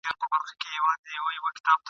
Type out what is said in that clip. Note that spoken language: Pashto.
چي د اوښکو په ګودر کي د ګرېوان کیسه کومه !.